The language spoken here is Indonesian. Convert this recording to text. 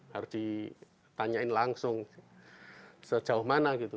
harus ditanyain langsung sejauh mana gitu